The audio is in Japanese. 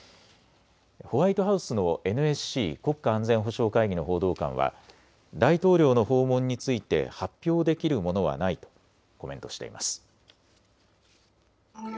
ホワイトハウスのＮＳＣ・国家安全保障会議の報道官は大統領の訪問について発表できるものはないとコメントしています。